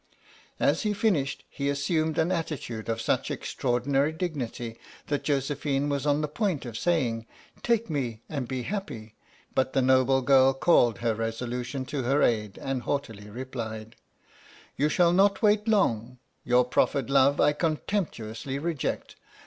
As he finished, he assumed an attitude of such extraordinary dignity that Josephine was on the point of saying " Take me and be happy," but the noble girl called all her resolution to her aid, and haughtily replied: "You shall not wait long — your proffered love I contemptuously reject.